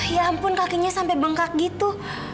ya ampun kakinya sampai bengkak gitu